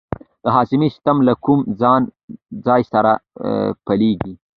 د هاضمې سیستم له کوم ځای څخه پیلیږي